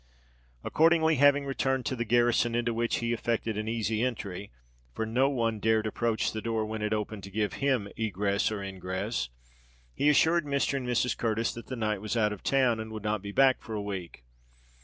Accordingly, having returned to "the garrison," into which he effected an easy entry—for no one dared approach the door when it opened to give him egress or ingress—he assured Mr. and Mrs. Curtis that the knight was out of town, and would not be back for a week.